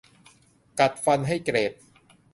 กัดฟันให้เกรด